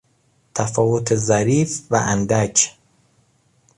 تفاوت ظریف و اندک